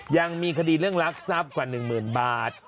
ยังมีคดีเรื่องรักษัพกว่า๑หมื่นบาท